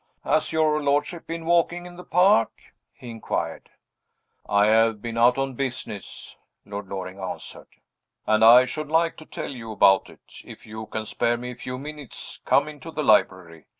"Has your lordship been walking in the park?" he inquired. "I have been out on business," Lord Loring answered; "and I should like to tell you about it. If you can spare me a few minutes, come into the library.